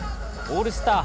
オールスター